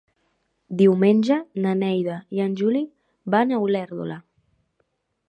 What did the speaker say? Diumenge na Neida i en Juli van a Olèrdola.